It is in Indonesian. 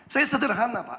saya sederhana pak